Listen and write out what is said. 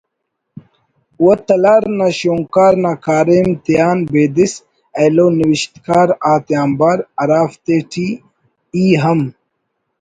و ”تلار“ نا شونکار نا کاریم تیان بیدس ایلو نوشتکار آتیانبار (ہرافتے ٹی ای ہم